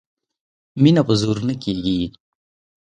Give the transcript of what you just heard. مینه په زور نه کېږي